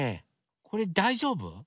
これだいじょうぶ？